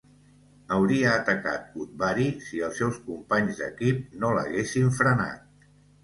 Hauria atacat Udvari si els seus companys d'equip no l'haguessin frenat.